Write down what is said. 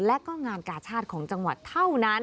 และก็งานกาชาติของจังหวัดเท่านั้น